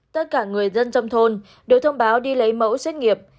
tất cả người dân trong thôn đều thông báo đi lấy mẫu xét nghiệm